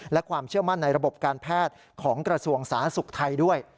และความเชื่อมั่นในระบบการแพทย์ของกระทรวงสาธารณสุขไทยด้วย